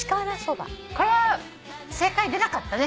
これは正解出なかったね。